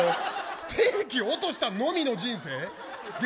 定期落としたのみの人生。